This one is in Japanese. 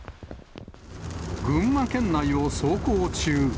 群馬県内を走行中。